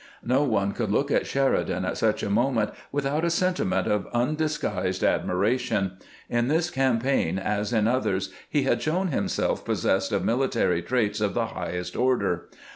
No one could look at Sheridan at such a moment GKANT'S ride to APPOMATTOX 469 "without a sentiment of undisguised admiration. In this campaign, as in otliers, he had shown himself possessed of military traits of the highest order.